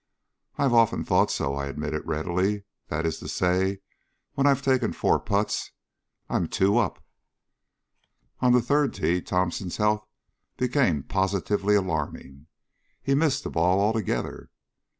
"I've often thought so," I admitted readily. "That is to say, when I've taken four putts. I'm two up." On the third tee Thomson's health became positively alarming. He missed the ball altogether.